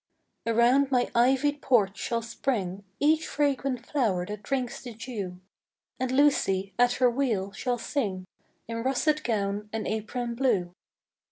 Around my ivy'd porch shall spring Each fragrant flower that drinks the dew; And Lucy, at her wheel, shall sing In russet gown and apron blue.